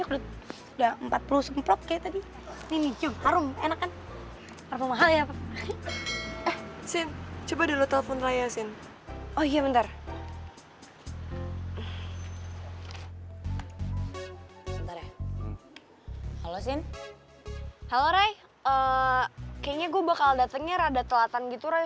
kayaknya gue bakal datengnya rada telatan gitu ray